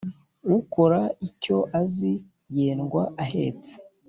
ukora icyo azi yendwa ahetse.